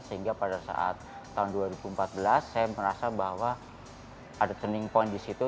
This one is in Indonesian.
sehingga pada saat tahun dua ribu empat belas saya merasa bahwa ada turning point di situ